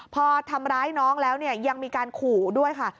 พอทำร้ายน้องแล้วเนี่ยยังมีการขู่ด้วยค่ะ